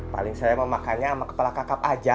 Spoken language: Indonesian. paling saya mau makannya sama kepala kakap aja